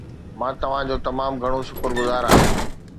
مان توهان جو تمام گهڻو شڪرگذار آهيان